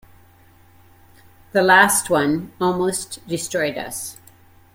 The last one almost destroyed us.